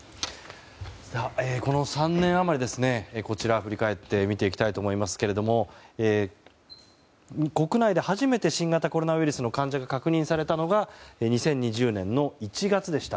この３年余りこちらを振り返って見ていきたいと思いますが国内で初めて新型コロナウイルスの患者が確認されたのが２０２０年の１月でした。